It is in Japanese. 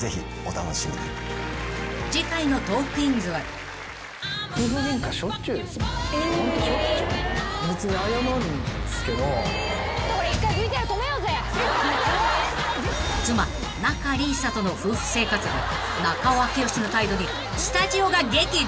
［次回の『トークィーンズ』は］［妻仲里依紗との夫婦生活で中尾明慶の態度にスタジオが激怒］